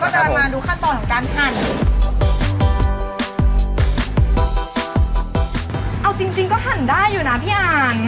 เชิญพี่อันหัวหน้าค่ะ